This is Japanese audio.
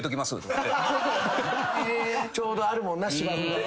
ちょうどあるもんな芝生が。